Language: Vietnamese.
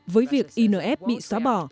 với việc inf bị xóa bỏ